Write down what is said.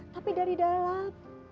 tapi dari dalam